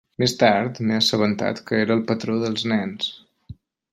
Més tard m'he assabentat que era el patró dels nens.